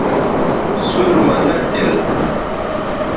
سُور مہ نہ تِل